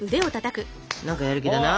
何かやる気だな？